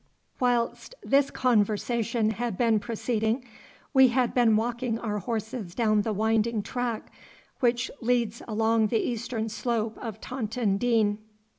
Whilst this conversation had been proceeding we had been walking our horses down the winding track which leads along the eastern slope of Taunton Deane.